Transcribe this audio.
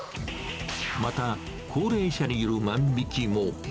また、高齢者による万引きも。